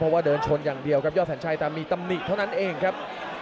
กระโดยสิ้งเล็กนี่ออกกันขาสันเหมือนกันครับ